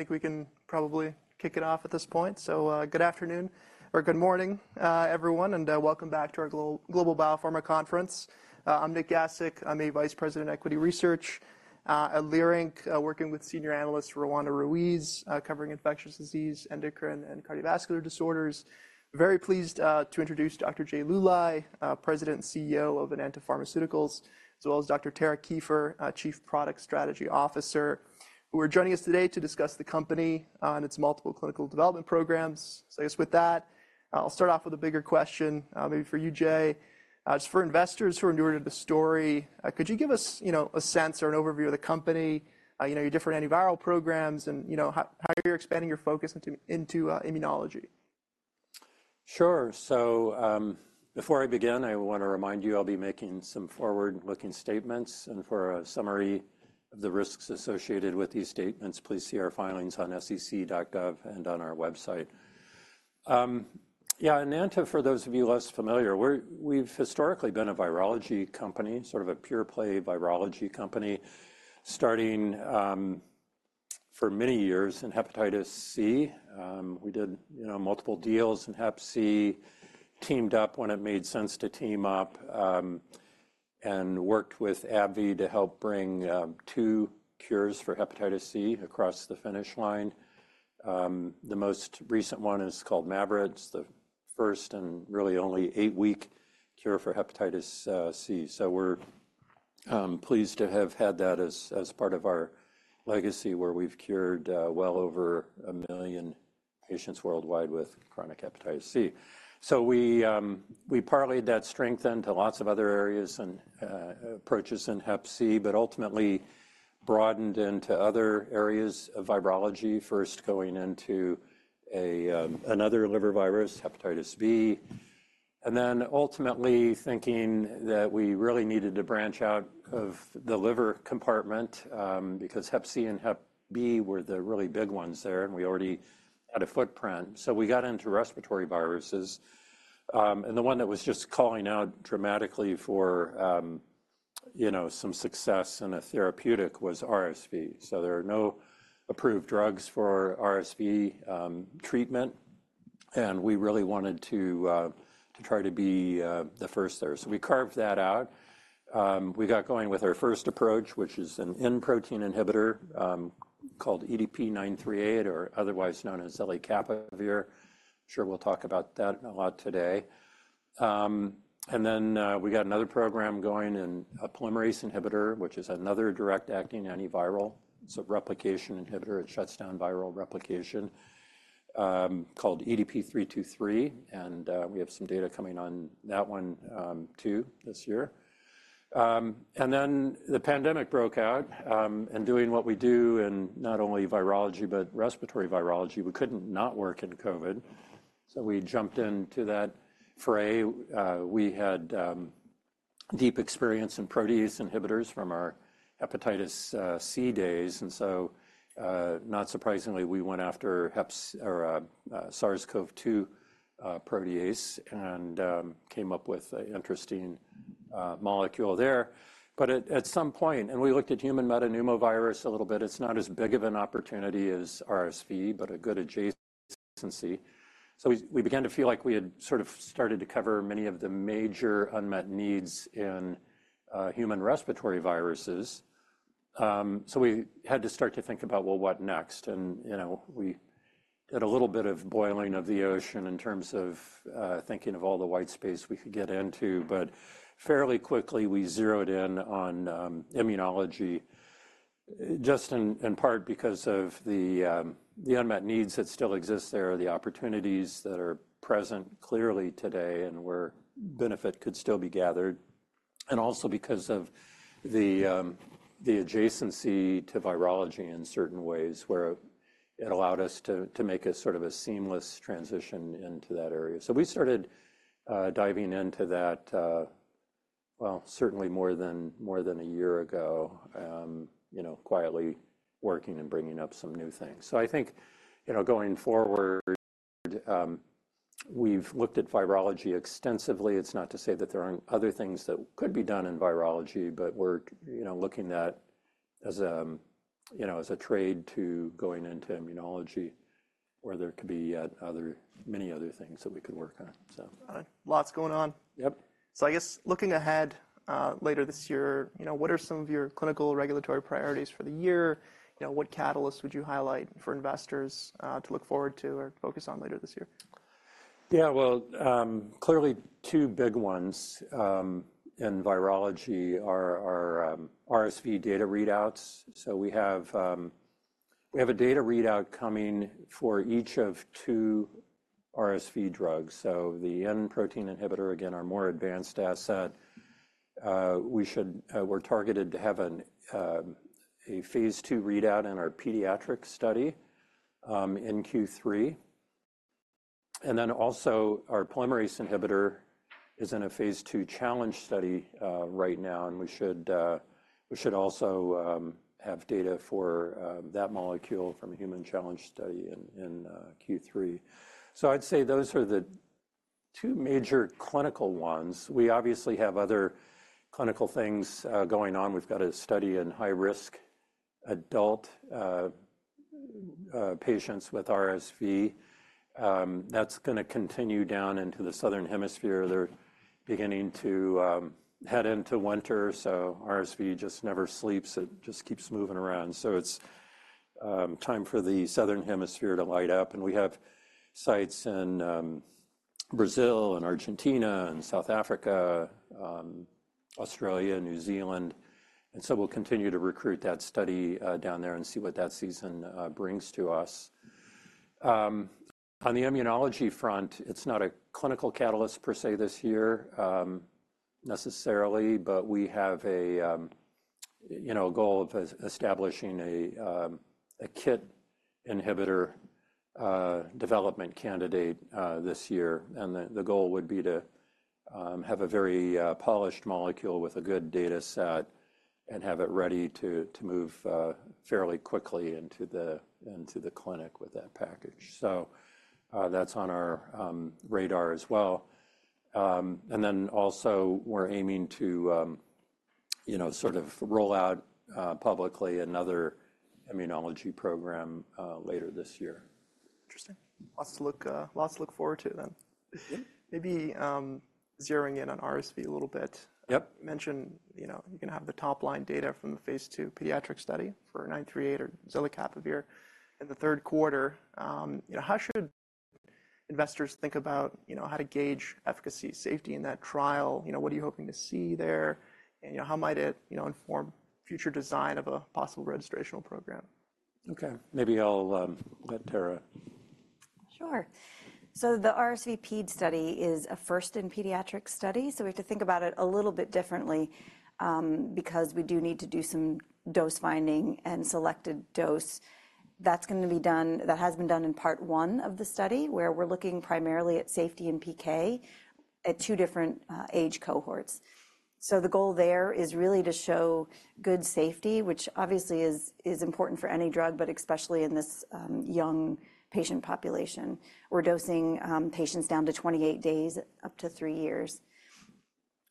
Awesome. I think we can probably kick it off at this point. So, good afternoon-or good morning, everyone-and, welcome back to our Global Biopharma Conference. I'm Nik Gasic. I'm a Vice President, Equity Research, at Leerink, working with Senior Analyst Roanna Ruiz, covering infectious disease, endocrine, and cardiovascular disorders. Very pleased, to introduce Dr. Jay Luly, President and CEO of Enanta Pharmaceuticals, as well as Dr. Tara Kieffer, Chief Product Strategy Officer, who are joining us today to discuss the company, and its multiple clinical development programs. So I guess with that, I'll start off with a bigger question, maybe for you, Jay. Just for investors who are newer to the story, could you give us, you know, a sense or an overview of the company, you know, your different antiviral programs, and, you know, how-how you're expanding your focus into, into, immunology? Sure. So, before I begin, I want to remind you I'll be making some forward-looking statements. And for a summary of the risks associated with these statements, please see our filings on sec.gov and on our website. Yeah, Enanta, for those of you less familiar, we're—we've historically been a virology company, sort of a pure-play virology company, starting, for many years in hepatitis C. We did, you know, multiple deals in hep C, teamed up when it made sense to team up, and worked with AbbVie to help bring two cures for hepatitis C across the finish line. The most recent one is called MAVYRET, the first and really only eight-week cure for hepatitis C. So we're pleased to have had that as, as part of our legacy, where we've cured well over 1 million patients worldwide with chronic hepatitis C. So we, we parlayed that strength into lots of other areas and approaches in hep C, but ultimately broadened into other areas of virology, first going into another liver virus, hepatitis B, and then ultimately thinking that we really needed to branch out of the liver compartment, because hep C and hep B were the really big ones there, and we already had a footprint. So we got into respiratory viruses, and the one that was just calling out dramatically for, you know, some success in a therapeutic was RSV. So there are no approved drugs for RSV treatment. And we really wanted to try to be the first there. So we carved that out. We got going with our first approach, which is an N-protein inhibitor, called EDP-938, or otherwise known as zelicapavir. I'm sure we'll talk about that a lot today. And then we got another program going, a polymerase inhibitor, which is another direct-acting antiviral. It's a replication inhibitor. It shuts down viral replication, called EDP-323. And we have some data coming on that one, too, this year. And then the pandemic broke out, and doing what we do in not only virology but respiratory virology, we couldn't not work in COVID. So we jumped into that fray. We had deep experience in protease inhibitors from our hepatitis C days. And so, not surprisingly, we went after SARS-CoV-2 protease and came up with an interesting molecule there. But at some point we looked at human metapneumovirus a little bit. It's not as big of an opportunity as RSV, but a good adjacency. So we began to feel like we had sort of started to cover many of the major unmet needs in human respiratory viruses. So we had to start to think about, well, what next? And, you know, we did a little bit of boiling of the ocean in terms of thinking of all the white space we could get into. But fairly quickly, we zeroed in on immunology, just in part because of the unmet needs that still exist there, the opportunities that are present clearly today, and where benefit could still be gathered, and also because of the adjacency to virology in certain ways, where it allowed us to make a sort of a seamless transition into that area. So we started diving into that, well, certainly more than a year ago, you know, quietly working and bringing up some new things. So I think, you know, going forward, we've looked at virology extensively. It's not to say that there aren't other things that could be done in virology, but we're, you know, looking at that as a, you know, as a trade to going into immunology, where there could be yet other many other things that we could work on, so. All right. Lots going on. Yep. I guess looking ahead, later this year, you know, what are some of your clinical regulatory priorities for the year? You know, what catalysts would you highlight for investors, to look forward to or focus on later this year? Yeah, well, clearly two big ones in virology are RSV data readouts. So we have a data readout coming for each of two RSV drugs. So the N-protein inhibitor, again, our more advanced asset, we're targeted to have a phase II readout in our pediatric study in Q3. And then also, our polymerase inhibitor is in a phase II challenge study right now. And we should also have data for that molecule from a human challenge study in Q3. So I'd say those are the two major clinical ones. We obviously have other clinical things going on. We've got a study in high-risk adult patients with RSV. That's going to continue down into the Southern Hemisphere. They're beginning to head into winter. So RSV just never sleeps. It just keeps moving around. So it's time for the Southern Hemisphere to light up. And we have sites in Brazil and Argentina and South Africa, Australia, New Zealand. And so we'll continue to recruit that study down there and see what that season brings to us. On the immunology front, it's not a clinical catalyst per se this year, necessarily, but we have a, you know, a goal of establishing a KIT inhibitor development candidate this year. And the goal would be to have a very polished molecule with a good data set and have it ready to move fairly quickly into the clinic with that package. So that's on our radar as well. And then also, we're aiming to, you know, sort of roll out publicly another immunology program later this year. Interesting. Lots to look forward to then. Yeah. Maybe, zeroing in on RSV a little bit. Yep. You mentioned, you know, you're going to have the top-line data from the phase II pediatric study for EDP-938 or zelicapavir in the third quarter. You know, how should investors think about, you know, how to gauge efficacy, safety in that trial? You know, what are you hoping to see there? And, you know, how might it, you know, inform future design of a possible registration program? Okay. Maybe I'll let Tara. Sure. So the RSVPED study is a first-in-pediatric study. So we have to think about it a little bit differently, because we do need to do some dose finding and selected dose. That's going to be done. That has been done in part one of the study, where we're looking primarily at safety and PK at two different age cohorts. So the goal there is really to show good safety, which obviously is important for any drug, but especially in this young patient population. We're dosing patients down to 28 days, up to three years.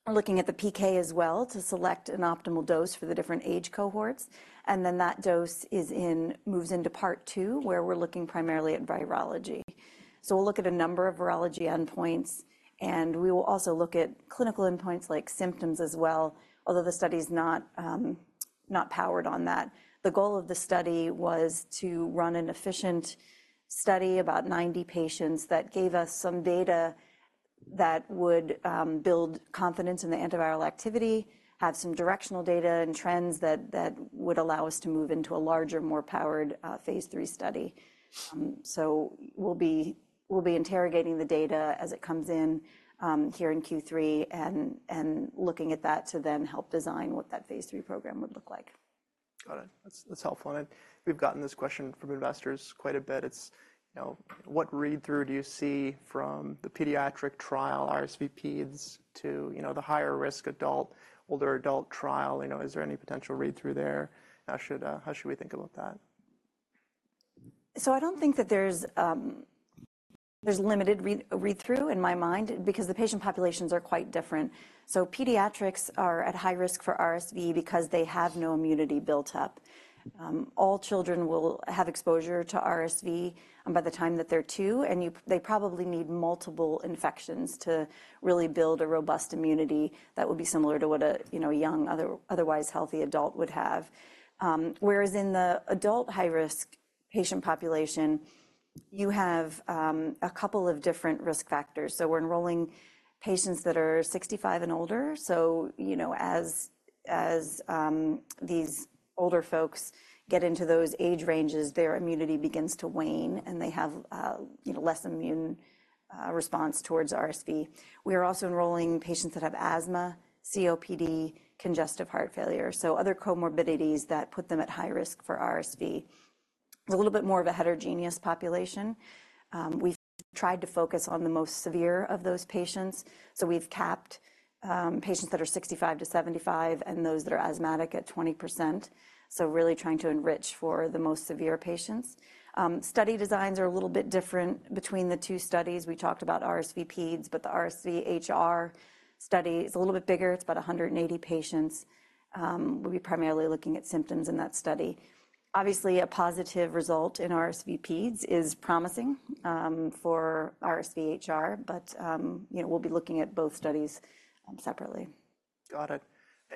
We're looking at the PK as well to select an optimal dose for the different age cohorts. And then that dose then moves into part two, where we're looking primarily at virology. So we'll look at a number of virology endpoints. We will also look at clinical endpoints like symptoms as well, although the study's not powered on that. The goal of the study was to run an efficient study about 90 patients that gave us some data that would build confidence in the antiviral activity, have some directional data and trends that would allow us to move into a larger, more powered, phase III study. So we'll be interrogating the data as it comes in, here in Q3 and looking at that to then help design what that phase III program would look like. Got it. That's helpful. And we've gotten this question from investors quite a bit. It's, you know, what read-through do you see from the pediatric trial, RSVPEDs, to, you know, the higher-risk adult, older adult trial? You know, is there any potential read-through there? How should we think about that? So I don't think that there's limited read-through in my mind because the patient populations are quite different. So pediatrics are at high risk for RSV because they have no immunity built up. All children will have exposure to RSV by the time that they're two. And they probably need multiple infections to really build a robust immunity that would be similar to what a, you know, a young, otherwise healthy adult would have. Whereas in the adult high-risk patient population, you have a couple of different risk factors. So we're enrolling patients that are 65 and older. So, you know, as these older folks get into those age ranges, their immunity begins to wane, and they have, you know, less immune response towards RSV. We are also enrolling patients that have asthma, COPD, congestive heart failure, so other comorbidities that put them at high risk for RSV. It's a little bit more of a heterogeneous population. We've tried to focus on the most severe of those patients. So we've capped patients that are 65-75 and those that are asthmatic at 20%, so really trying to enrich for the most severe patients. Study designs are a little bit different between the two studies. We talked about RSVPEDs, but the RSVHR study is a little bit bigger. It's about 180 patients. We'll be primarily looking at symptoms in that study. Obviously, a positive result in RSVPEDs is promising for RSVHR. But, you know, we'll be looking at both studies separately. Got it.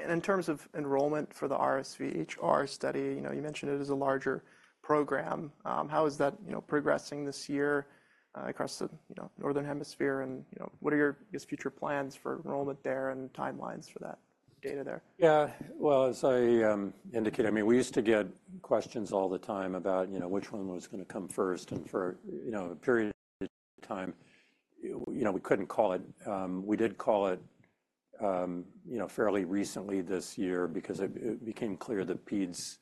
And in terms of enrollment for the RSVHR study, you know, you mentioned it is a larger program. How is that, you know, progressing this year, across the, you know, Northern Hemisphere? And, you know, what are your, I guess, future plans for enrollment there and timelines for that data there? Yeah. Well, as I indicated, I mean, we used to get questions all the time about, you know, which one was going to come first. And for, you know, a period of time, you know, we couldn't call it. We did call it, you know, fairly recently this year because it became clear that PEDs,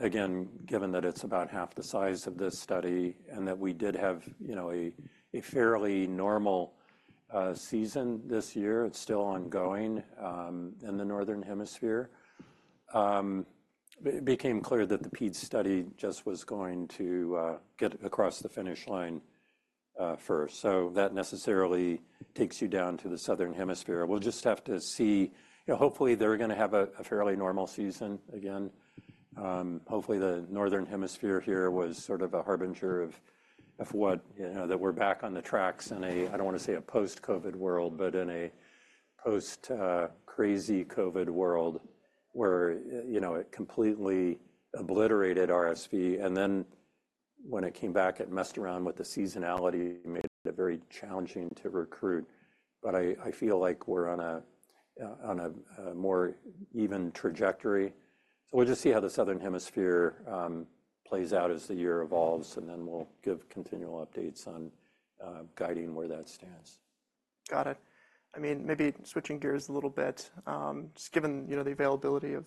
again, given that it's about half the size of this study and that we did have, you know, a fairly normal season this year, it's still ongoing in the Northern Hemisphere. It became clear that the PEDs study just was going to get across the finish line first. So that necessarily takes you down to the Southern Hemisphere. We'll just have to see, you know, hopefully they're going to have a fairly normal season again. Hopefully, the Northern Hemisphere here was sort of a harbinger of what, you know, that we're back on the tracks in a, I don't want to say a post-COVID world, but in a post-crazy COVID world where, you know, it completely obliterated RSV. And then when it came back, it messed around with the seasonality and made it very challenging to recruit. But I feel like we're on a more even trajectory. So we'll just see how the Southern Hemisphere plays out as the year evolves. And then we'll give continual updates on guiding where that stands. Got it. I mean, maybe switching gears a little bit, just given, you know, the availability of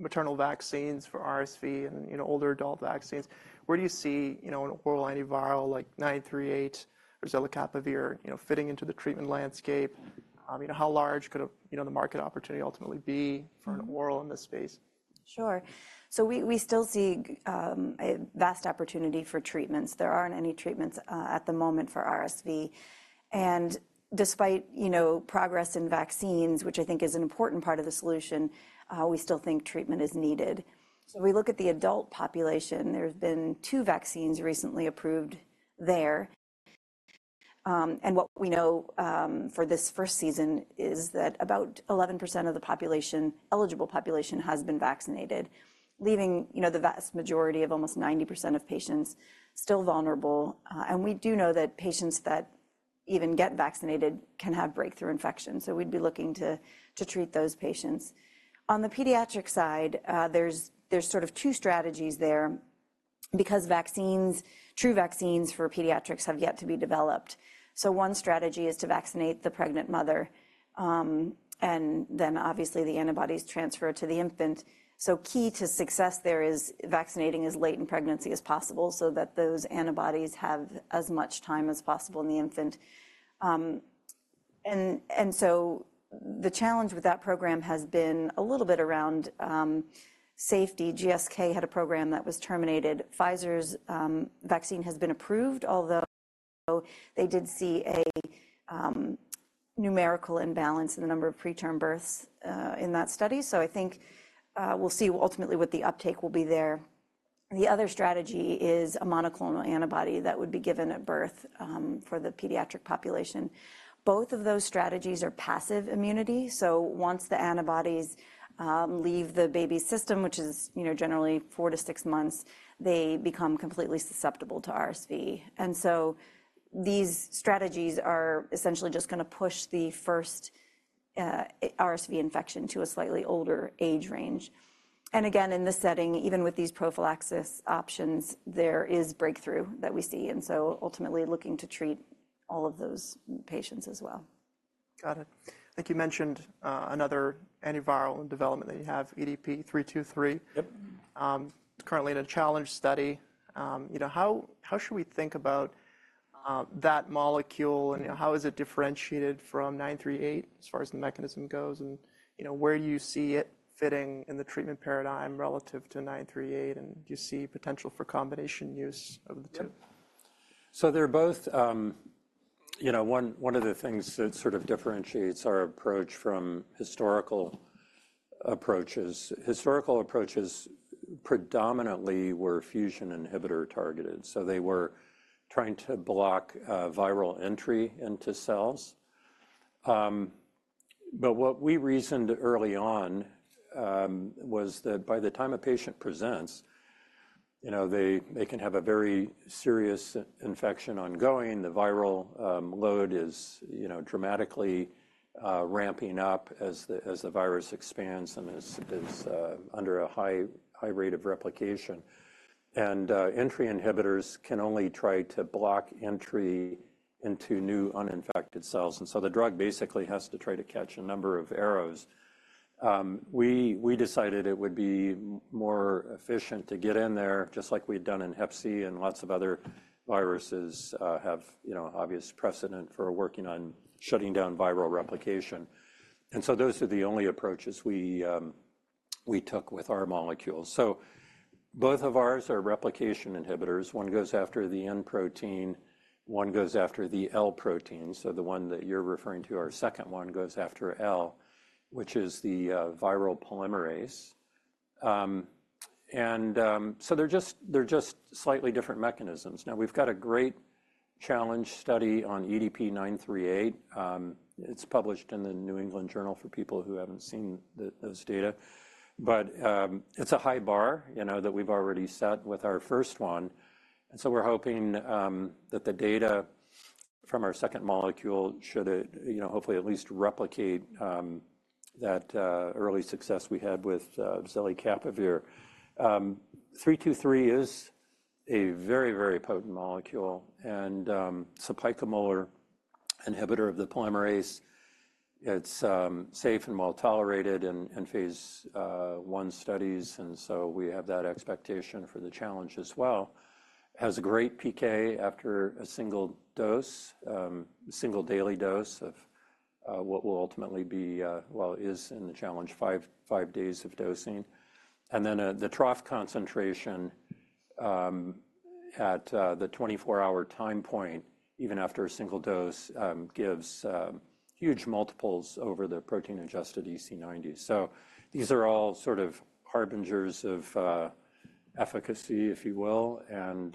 maternal vaccines for RSV and, you know, older adult vaccines, where do you see, you know, an oral antiviral like EDP-938 or zelicapavir, you know, fitting into the treatment landscape? You know, how large could a, you know, the market opportunity ultimately be for an oral in this space? Sure. So we still see a vast opportunity for treatments. There aren't any treatments at the moment for RSV. Despite you know progress in vaccines, which I think is an important part of the solution, we still think treatment is needed. So we look at the adult population. There have been two vaccines recently approved there. What we know for this first season is that about 11% of the eligible population has been vaccinated, leaving you know the vast majority of almost 90% of patients still vulnerable. We do know that patients that even get vaccinated can have breakthrough infections. So we'd be looking to treat those patients. On the pediatric side, there's sort of two strategies there because vaccines, true vaccines for pediatrics have yet to be developed. So one strategy is to vaccinate the pregnant mother. Then obviously, the antibodies transfer to the infant. So key to success there is vaccinating as late in pregnancy as possible so that those antibodies have as much time as possible in the infant. So the challenge with that program has been a little bit around safety. GSK had a program that was terminated. Pfizer's vaccine has been approved, although they did see a numerical imbalance in the number of preterm births in that study. So I think we'll see ultimately what the uptake will be there. The other strategy is a monoclonal antibody that would be given at birth for the pediatric population. Both of those strategies are passive immunity. So once the antibodies leave the baby's system, which is, you know, generally four to six months, they become completely susceptible to RSV. And so these strategies are essentially just going to push the first RSV infection to a slightly older age range. And again, in this setting, even with these prophylaxis options, there is breakthrough that we see. And so ultimately, looking to treat all of those patients as well. Got it. I think you mentioned, another antiviral in development that you have, EDP-323. Yep. Currently in a challenge study. You know, how should we think about that molecule? You know, how is it differentiated from EDP-938 as far as the mechanism goes? You know, where do you see it fitting in the treatment paradigm relative to EDP-938? Do you see potential for combination use of the two? Yep. So they're both, you know, one of the things that sort of differentiates our approach from historical approaches. Historical approaches predominantly were fusion inhibitor targeted. So they were trying to block viral entry into cells. But what we reasoned early on was that by the time a patient presents, you know, they can have a very serious infection ongoing. The viral load is, you know, dramatically ramping up as the virus expands and is under a high rate of replication. And entry inhibitors can only try to block entry into new uninfected cells. And so the drug basically has to try to catch a number of arrows. We decided it would be more efficient to get in there, just like we'd done in hep C and lots of other viruses have, you know, obvious precedent for working on shutting down viral replication. So those are the only approaches we took with our molecules. So both of ours are replication inhibitors. One goes after the N protein. One goes after the L protein. So the one that you're referring to, our second one, goes after L, which is the viral polymerase. So they're just slightly different mechanisms. Now, we've got a great challenge study on EDP-938. It's published in the New England Journal for people who haven't seen those data. But it's a high bar, you know, that we've already set with our first one. And so we're hoping that the data from our second molecule should, you know, hopefully at least replicate that early success we had with zelicapavir. EDP-323 is a very, very potent molecule. And it's a picomolar inhibitor of the polymerase. It's safe and well tolerated in phase I studies. And so we have that expectation for the challenge as well. It has a great PK after a single dose, single daily dose of what will ultimately be, well, is in the challenge, five days of dosing. And then the trough concentration at the 24-hour time point, even after a single dose, gives huge multiples over the protein-adjusted EC90. So these are all sort of harbingers of efficacy, if you will. And,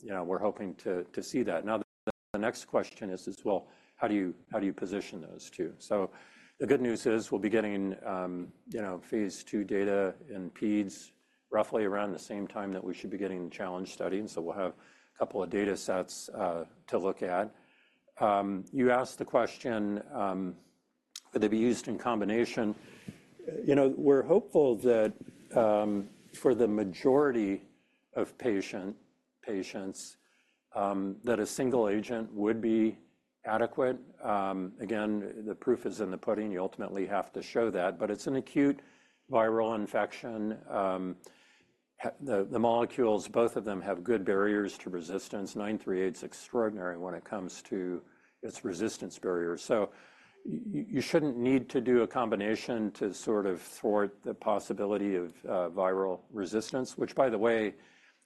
you know, we're hoping to see that. Now, the next question is, well, how do you position those two? So the good news is we'll be getting, you know, phase II data in PEDs roughly around the same time that we should be getting the challenge study. And so we'll have a couple of data sets to look at. You asked the question, could they be used in combination? You know, we're hopeful that, for the majority of patients, that a single agent would be adequate. Again, the proof is in the pudding. You ultimately have to show that. But it's an acute viral infection. The molecules, both of them have good barriers to resistance. EDP-938's extraordinary when it comes to its resistance barrier. So you shouldn't need to do a combination to sort of thwart the possibility of viral resistance, which, by the way,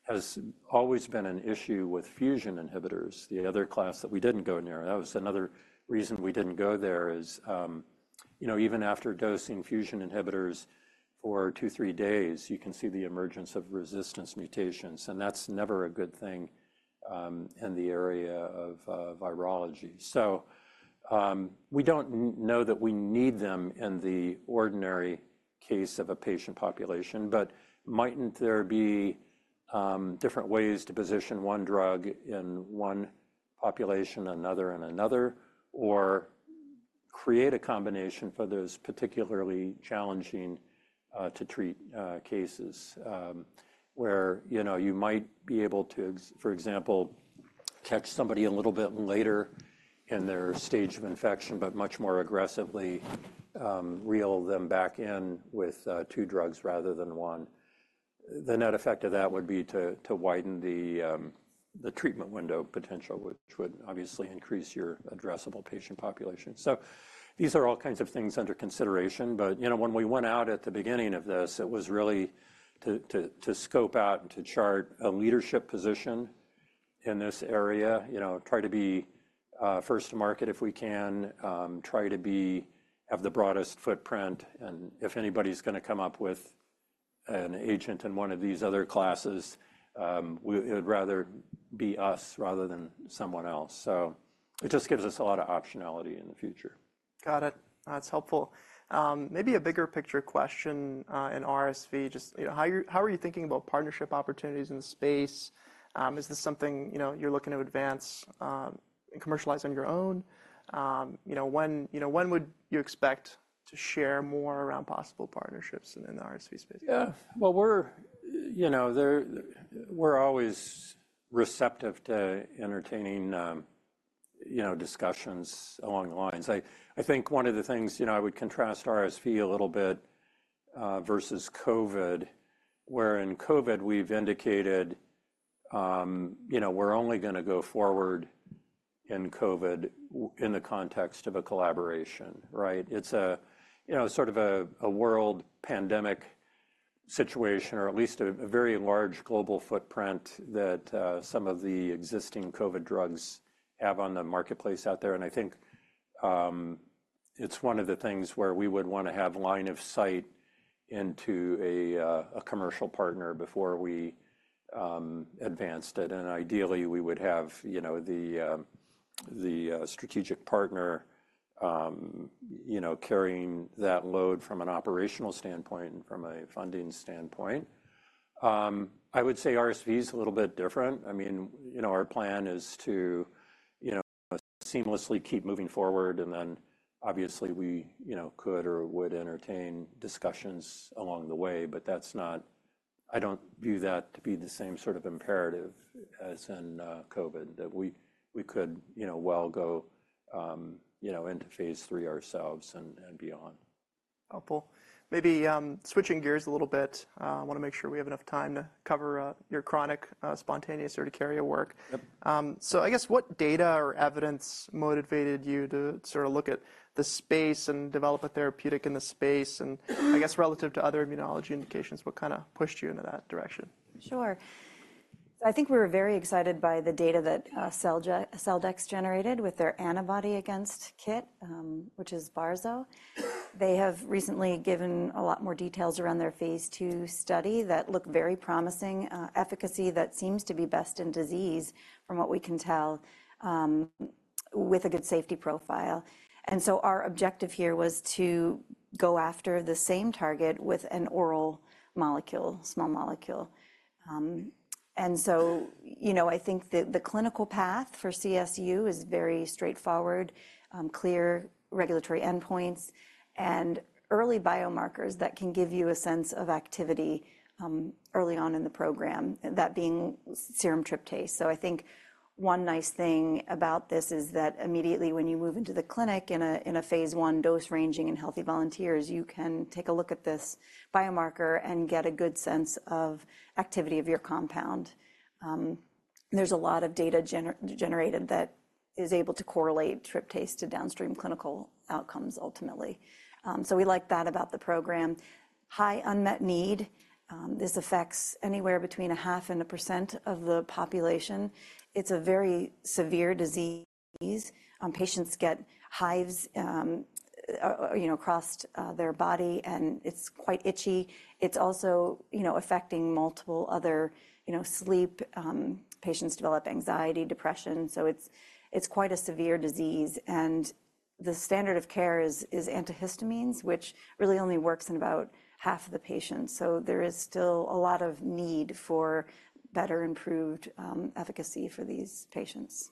has always been an issue with fusion inhibitors, the other class that we didn't go near it. That was another reason we didn't go there is, you know, even after dosing fusion inhibitors for two to three days, you can see the emergence of resistance mutations. And that's never a good thing, in the area of virology. So, we don't know that we need them in the ordinary case of a patient population. But mightn't there be different ways to position one drug in one population, another, and another, or create a combination for those particularly challenging to treat cases, where, you know, you might be able to, for example, catch somebody a little bit later in their stage of infection, but much more aggressively, reel them back in with two drugs rather than one? The net effect of that would be to widen the treatment window potential, which would obviously increase your addressable patient population. So these are all kinds of things under consideration. You know, when we went out at the beginning of this, it was really to scope out and to chart a leadership position in this area, you know, try to be first to market if we can, try to have the broadest footprint. If anybody's going to come up with an agent in one of these other classes, we would rather be us rather than someone else. It just gives us a lot of optionality in the future. Got it. That's helpful. Maybe a bigger picture question, in RSV, just, you know, how are you, how are you thinking about partnership opportunities in the space? Is this something, you know, you're looking to advance, and commercialize on your own? You know, when, you know, when would you expect to share more around possible partnerships in the RSV space? Yeah. Well, we're, you know, there, we're always receptive to entertaining, you know, discussions along the lines. I, I think one of the things, you know, I would contrast RSV a little bit, versus COVID, where in COVID, we've indicated, you know, we're only going to go forward in COVID in the context of a collaboration, right? It's a, you know, sort of a, a world pandemic situation, or at least a very large global footprint that, some of the existing COVID drugs have on the marketplace out there. And I think, it's one of the things where we would want to have line of sight into a, a commercial partner before we, advanced it. And ideally, we would have, you know, the, the, strategic partner, you know, carrying that load from an operational standpoint and from a funding standpoint. I would say RSV is a little bit different. I mean, you know, our plan is to, you know, seamlessly keep moving forward. And then obviously, we, you know, could or would entertain discussions along the way. But that's not, I don't view that to be the same sort of imperative as in COVID, that we could, you know, well go, you know, into phase III ourselves and beyond. Helpful. Maybe switching gears a little bit. I want to make sure we have enough time to cover your chronic spontaneous urticaria work. Yep. I guess what data or evidence motivated you to sort of look at the space and develop a therapeutic in the space? I guess relative to other immunology indications, what kind of pushed you into that direction? Sure. So I think we were very excited by the data that Celldex generated with their antibody against KIT, which is barzolvolimab. They have recently given a lot more details around their phase II study that look very promising, efficacy that seems to be best in disease from what we can tell, with a good safety profile. And so our objective here was to go after the same target with an oral molecule, small molecule. And so, you know, I think that the clinical path for CSU is very straightforward, clear regulatory endpoints, and early biomarkers that can give you a sense of activity, early on in the program, that being serum tryptase. So I think one nice thing about this is that immediately when you move into the clinic in a phase I dose-ranging in healthy volunteers, you can take a look at this biomarker and get a good sense of activity of your compound. There's a lot of data generated that is able to correlate tryptase to downstream clinical outcomes ultimately. So we like that about the program. High unmet need, this affects anywhere between 0.5% and 1% of the population. It's a very severe disease. Patients get hives, you know, across their body, and it's quite itchy. It's also, you know, affecting multiple other, you know, sleep, patients develop anxiety, depression. So it's quite a severe disease. And the standard of care is antihistamines, which really only works in about half of the patients. There is still a lot of need for better improved efficacy for these patients.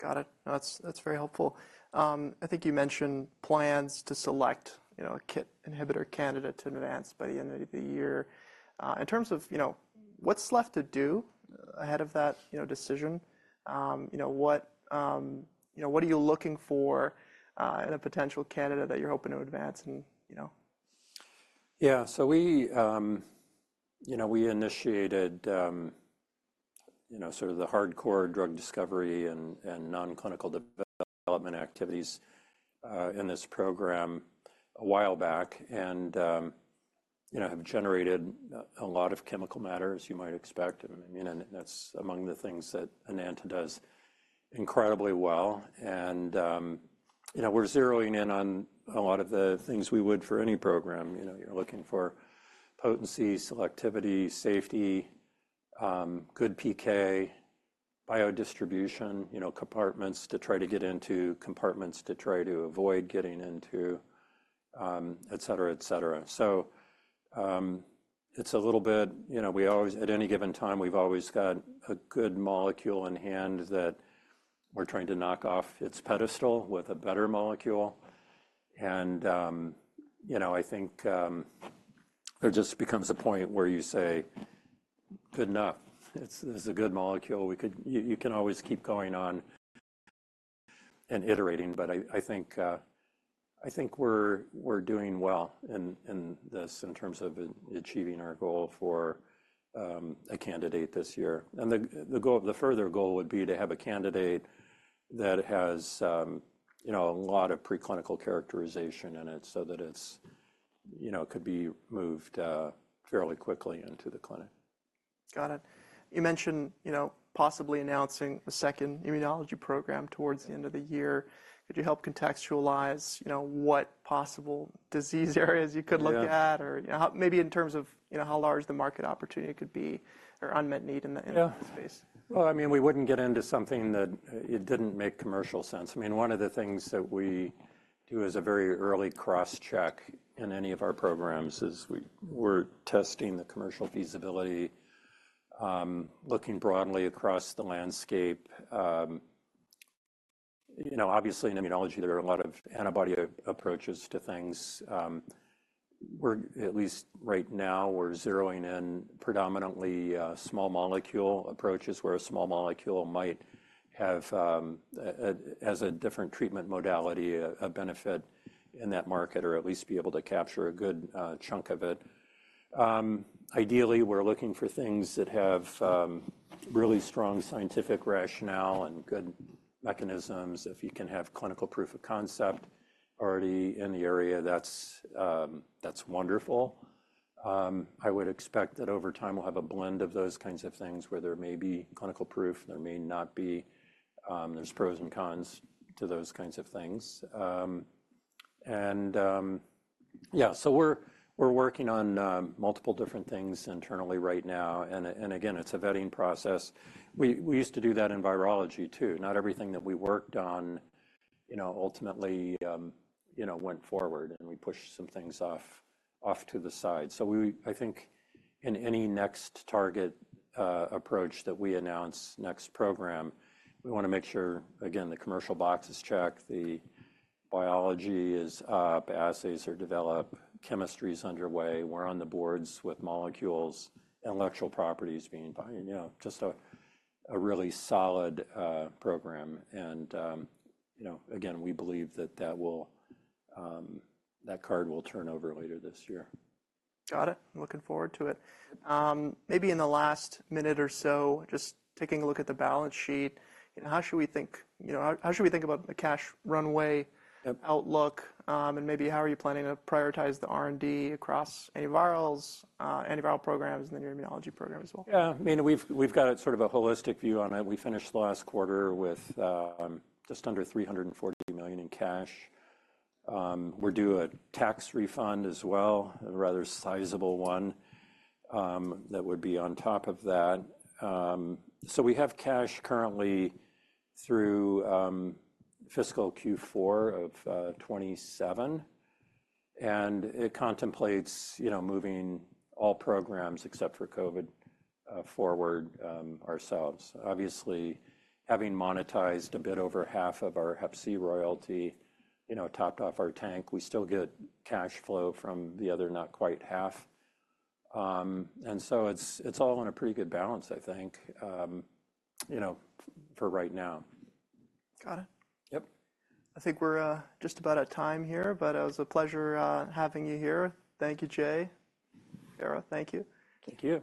Got it. No, that's very helpful. I think you mentioned plans to select, you know, a KIT inhibitor candidate to advance by the end of the year. In terms of, you know, what's left to do ahead of that, you know, decision, you know, what are you looking for in a potential candidate that you're hoping to advance and, you know? Yeah. So we, you know, we initiated, you know, sort of the hardcore drug discovery and non-clinical development activities in this program a while back and, you know, have generated a lot of chemical matter, as you might expect. And I mean, and that's among the things that Enanta does incredibly well. And, you know, we're zeroing in on a lot of the things we would for any program. You know, you're looking for potency, selectivity, safety, good PK, biodistribution, you know, compartments to try to get into, compartments to try to avoid getting into, et cetera, et cetera. So, it's a little bit, you know, we always, at any given time, we've always got a good molecule in hand that we're trying to knock off its pedestal with a better molecule. And, you know, I think, there just becomes a point where you say, good enough. It's a good molecule. We could always keep going on and iterating. But I think we're doing well in this in terms of achieving our goal for a candidate this year. And the further goal would be to have a candidate that has you know a lot of preclinical characterization in it so that it's you know could be moved fairly quickly into the clinic. Got it. You mentioned, you know, possibly announcing a second immunology program towards the end of the year. Could you help contextualize, you know, what possible disease areas you could look at or, you know, how maybe in terms of, you know, how large the market opportunity could be or unmet need in the, in the space? Yeah. Well, I mean, we wouldn't get into something that it didn't make commercial sense. I mean, one of the things that we do as a very early cross-check in any of our programs is we're testing the commercial feasibility, looking broadly across the landscape. You know, obviously in immunology, there are a lot of antibody approaches to things. We're, at least right now, we're zeroing in predominantly on small molecule approaches where a small molecule might have a different treatment modality, a benefit in that market, or at least be able to capture a good chunk of it. Ideally, we're looking for things that have really strong scientific rationale and good mechanisms. If you can have clinical proof of concept already in the area, that's wonderful. I would expect that over time, we'll have a blend of those kinds of things where there may be clinical proof, there may not be, there's pros and cons to those kinds of things. Yeah, so we're working on multiple different things internally right now. And again, it's a vetting process. We used to do that in virology too. Not everything that we worked on, you know, ultimately, you know, went forward. And we pushed some things off to the side. So I think in any next target approach that we announce next program, we want to make sure, again, the commercial boxes check, the biology is up, assays are developed, chemistry is underway. We're on the boards with molecules, intellectual properties being built, you know, just a really solid program. You know, again, we believe that that will, that card will turn over later this year. Got it. Looking forward to it. Maybe in the last minute or so, just taking a look at the balance sheet, you know, how should we think, you know, how, how should we think about the cash runway outlook? And maybe how are you planning to prioritize the R&D across antivirals, antiviral programs, and then your immunology program as well? Yeah. I mean, we've got a sort of a holistic view on it. We finished the last quarter with just under $340 million in cash. We're due a tax refund as well, a rather sizable one, that would be on top of that. We have cash currently through fiscal Q4 of 2027. It contemplates, you know, moving all programs except for COVID forward ourselves. Obviously, having monetized a bit over half of our hep C royalty, you know, topped off our tank, we still get cash flow from the other not quite half. It's all in a pretty good balance, I think, you know, for right now. Got it. Yep. I think we're just about at time here, but it was a pleasure having you here. Thank you, Jay. Tara, thank you. Thank you.